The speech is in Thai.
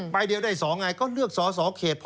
เดียวได้๒ไงก็เลือกสอสอเขตพอ